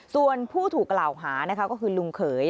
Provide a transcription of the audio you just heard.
ส่วนผู้ถูกกล่าวหานะคะก็คือลุงเขย